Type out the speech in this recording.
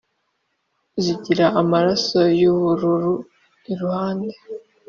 zigira amaraso y’ubururu iruhande